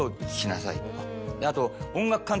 あと。